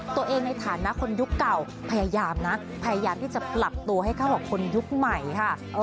ในฐานะคนยุคเก่าพยายามนะพยายามที่จะปรับตัวให้เข้ากับคนยุคใหม่ค่ะ